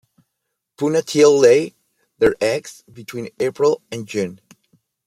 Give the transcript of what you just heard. Puna teal lay their eggs between April and June.